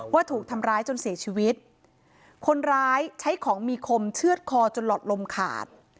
ว่าถูกทำร้ายจนเสียชีวิตคนร้ายใช้ของมีคมเชื่อดคอจนหลอดลมขาด